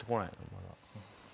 まだ？